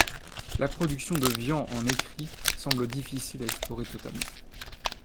La production de Vian en écrits semble difficile à explorer totalement.